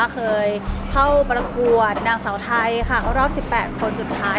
เคยเข้าประกวดนางสาวไทยรอบ๑๘คนสุดท้าย